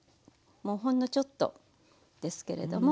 もうほんのちょっとですけれども。